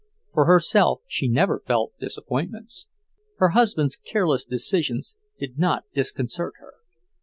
For herself, she never felt disappointments. Her husband's careless decisions did not disconcert her.